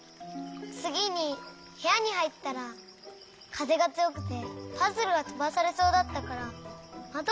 つぎにへやにはいったらかぜがつよくてパズルがとばされそうだったからまどをしめようとしたの。